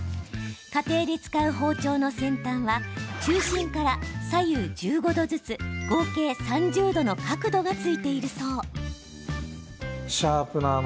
家庭で使う包丁の先端は中心から左右１５度ずつ合計３０度の角度がついているそう。